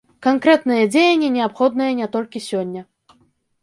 Канкрэтныя дзеянні неабходныя не толькі сёння.